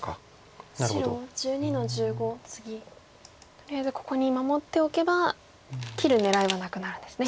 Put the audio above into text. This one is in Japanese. とりあえずここに守っておけば切る狙いはなくなるんですね。